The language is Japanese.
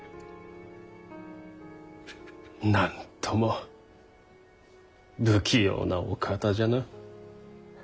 なんとも不器用なお方じゃな。